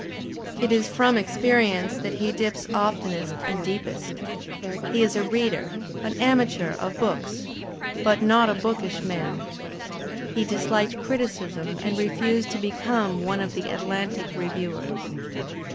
It is from experience that he dips oftenest and deepest He is a reader, an amateur of books, but not a bookish man. He disliked criticism and refused to become one of the At lantic reviewers.